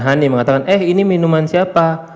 hani mengatakan eh ini minuman siapa